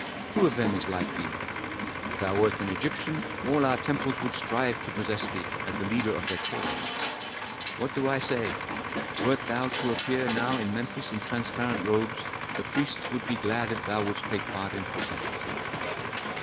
Who of them is like thee? If thou wert an Egyptian, all our temples would strive to possess thee as the leader of their chorus. What do I say? Wert thou to appear now in Memphis in transparent robes, the priests would be glad if thou wouldst take part in processions."